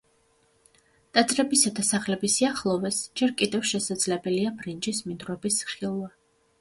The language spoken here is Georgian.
ტაძრებისა და სახლების სიახლოვეს ჯერ კიდევ შესაძლებელია ბრინჯის მინდვრების ხილვა.